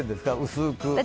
薄く？